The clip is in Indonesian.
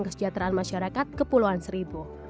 kesejahteraan masyarakat kepulauan seribu